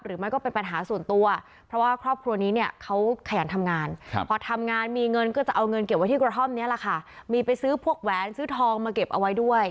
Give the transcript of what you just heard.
หรือไม่ก็เป็นปัญหาส่วนตัว